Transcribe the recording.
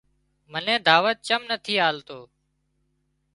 منين دعوت چم نٿي آلتو